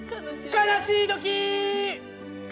悲しいときー。